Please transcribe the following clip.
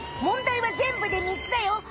問題は全部でみっつだよ。